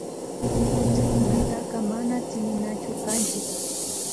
Kuytsakunataka mana tsininachu kanchik